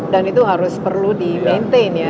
dan itu harus perlu di maintain ya